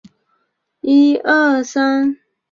腺萼越桔为杜鹃花科越桔属下的一个种。